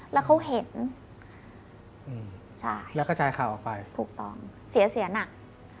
แล้วเขาเห็นอืมใช่แล้วก็จ่ายข่าวออกไปถูกต้องเสียเสียหนัก